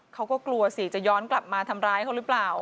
เขาก็กลัวสิจะย้อนกลับมาทำร้ายเขาหรือเปล่า